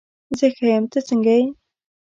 زه ښه یم، ته څنګه یې؟